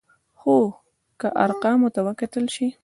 خو که ارقامو ته وکتل شي،